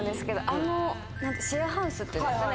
あのシェアハウスっていうんですかね